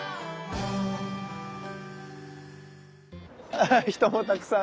あ人もたくさん。